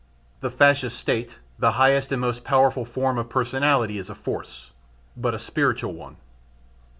The Fascist State, the highest and the most powerful form of personality is a force, but a spiritual one.